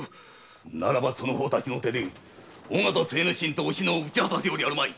ならばその方たちで尾形精之進とお篠を討ち果たすよりあるまい。